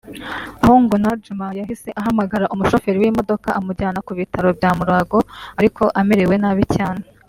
aho ngo Najjuma yahise ahamagara umushoferi w’imodoka amujyana ku bitaro bya Mulago ariko amerewe nabi cyane